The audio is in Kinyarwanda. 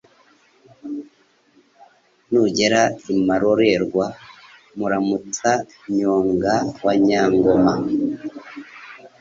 Nugera i Marorerwa Muramutsa-nyonga wa Nyangoma